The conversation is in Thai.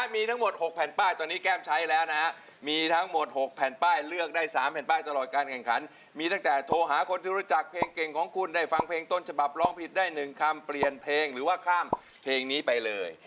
มีทั้งหมด๖แผ่นป้ายตอนนี้แก้มใช้แล้วนะฮะมีทั้งหมด๖แผ่นป้ายเลือกได้๓แผ่นป้ายตลอดการแข่งขันมีตั้งแต่โทรหาคนที่รู้จักเพลงเก่งของคุณได้ฟังเพลงต้นฉบับร้องผิดได้๑คำเปลี่ยนเพลงหรือว่าข้ามเพลงนี้ไปเลย